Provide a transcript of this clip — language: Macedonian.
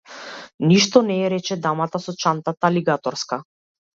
Ништо не е, рече дамата со чантата алигаторска.